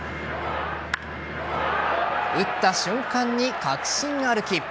打った瞬間に確信歩き。